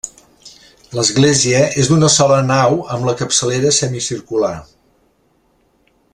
L'església és d'una sola nau amb la capçalera semicircular.